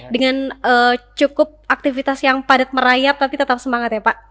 dengan cukup aktivitas yang padat merayap tapi tetap semangat ya pak